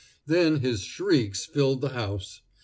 Then his shrieks filled the house.